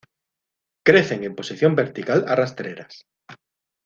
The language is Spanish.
Crecen en posición vertical a rastreras.